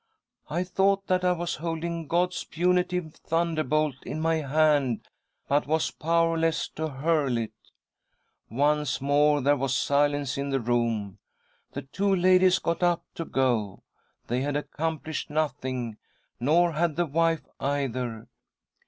I thought that I was holding v. i', ;j^ SISTER EDITH PLEADS WITH DEATH 119 Gqd' s punitive thunderbolt in my hand, but was powerless to hurl it I " Once more there was silence in the room. The two ladies got up to go ; they had accomplished nothing, nor had the wife either.